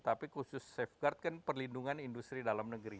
tapi khusus safeguard kan perlindungan industri dalam negeri